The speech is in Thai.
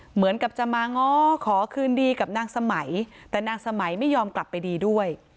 เหมือนกับจะมาง้อขอคืนดีกับนางสมัยแต่นางสมัยไม่ยอมกลับไปดีด้วย